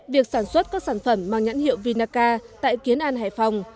việc sản xuất các sản phẩm mang nhãn hiệu vinaca tại kiến an hải phòng